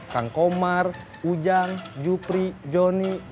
kang komar ujang jupri joni